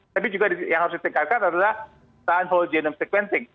tapi juga yang harus ditingkatkan adalah perusahaan whole genome sequencing